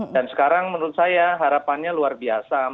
dan sekarang menurut saya harapannya luar biasa